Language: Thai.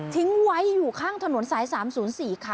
ทิ้งไว้อยู่ข้างถนนสาย๓๐๔ค่ะ